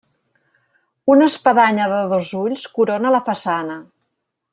Una espadanya de dos ulls corona la façana.